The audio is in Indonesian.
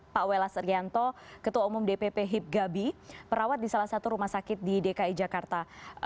pak welas rianto ketua umum dpp hibgabi perawat di salah satu rumah sakit di dki jakarta